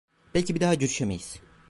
Belki bir daha görüşemeyiz!